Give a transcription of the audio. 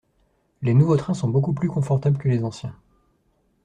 Les nouveaux trains sont beaucoup plus confortables que les anciens.